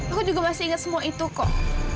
aku juga masih ingat semua itu kok